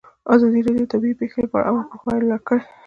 ازادي راډیو د طبیعي پېښې لپاره عامه پوهاوي لوړ کړی.